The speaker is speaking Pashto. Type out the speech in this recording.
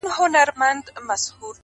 توره به یم خو د مکتب توره تخته یمه زه,